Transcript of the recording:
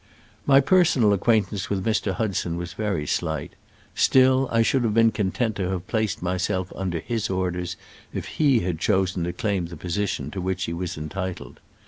My personal acquaintance with Mr. Hudson was very slight ; still, I should have been content to have placed myself under his orders if he had chosen to claim the position to which he was entitled.